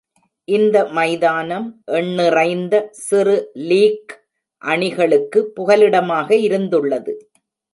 இந்த மைதானம் எண்ணிறைந்த சிறு லீக் அணிகளுக்கு புகலிடமாக இருந்துள்ளது.